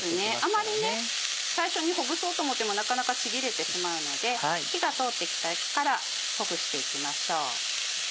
あまりね最初にほぐそうと思ってもなかなかちぎれてしまうので火が通ってきてからほぐしていきましょう。